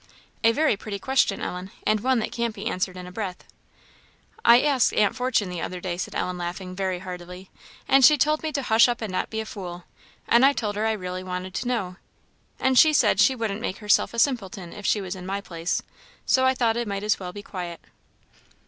"A very pretty question, Ellen, and one that can't be answered in a breath." "I asked Aunt Fortune the other day," said Ellen, laughing very heartily, "and she told me to hush up and not be a fool; and I told her I really wanted to know, and she said she wouldn't make herself a simpleton if she was in my place; so I thought I might as well be quiet."